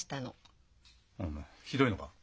あひどいのか？